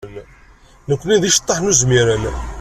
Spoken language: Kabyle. Nekkni d iceḍḍaḥen uzmiren.